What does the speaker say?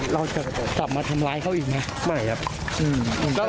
เราจะกลับมาทำร้ายเขาอีกไหมไม่ครับ